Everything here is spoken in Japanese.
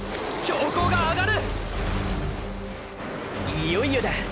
いよいよだ。